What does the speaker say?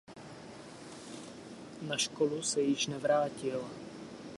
Na školu se již nevrátil.